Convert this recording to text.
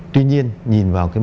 tuy nhiên nhìn vào mức học phí